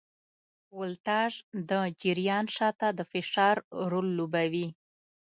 ولتاژ د جریان شاته د فشار رول لوبوي.